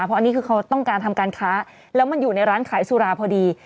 เพราะอันนี้คือเขาต้องการทำการค้าแล้วมันอยู่ในร้านขายสุราพอดี